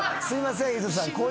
すいません。